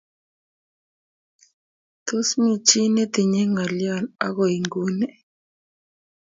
tos mi chi netinyei ng'olion akoi nguni?